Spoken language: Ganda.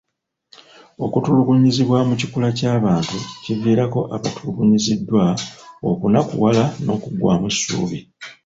Okutulugunyizibwa mu kikula ky'abantu kiviirako abatulugunyiziddwa okunakuwala n'okuggwamu essuubi.